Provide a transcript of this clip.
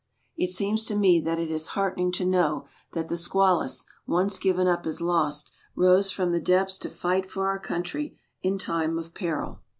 It seems to me that it is heartening to know that the SQUALUS, once given up as lost, rose from the depths to fight for our country in time of peril.